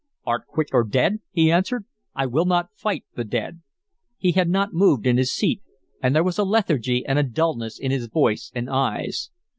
"Art quick or dead?" he answered. "I will not fight the dead." He had not moved in his seat, and there was a lethargy and a dullness in his voice and eyes.